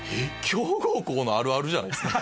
強豪校のあるあるじゃないですか。